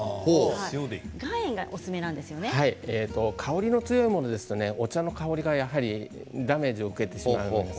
香りの強いものですとお茶の香りが、やはりダメージを受けてしまうんです。